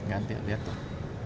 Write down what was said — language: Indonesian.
ganti lihat tuh